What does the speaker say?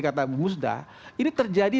kata musda ini terjadi